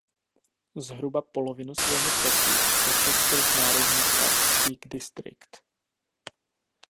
Zhruba polovinu svého toku teče skrz národní park Peak District.